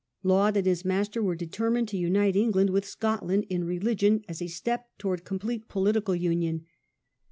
Laud and his master were determined to unite England with Scotland in religion as a step towards complete political union.